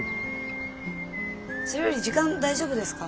それより時間大丈夫ですか？